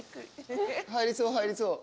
入りそう入りそう。